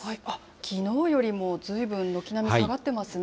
きのうよりもずいぶん軒並み下がってますね。